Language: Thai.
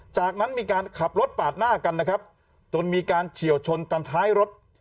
จากนั้นมีการขับรถปาดหน้ากันนะครับจนมีการเฉียวชนกันท้ายรถ